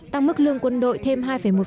tăng mức lương quân đội thêm hai một